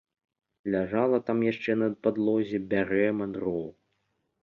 Ляжала там яшчэ на падлозе бярэма дроў.